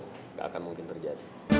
enggak akan mungkin terjadi